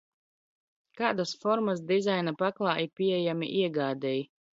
Kādas formas dizaina paklāji pieejami iegādei?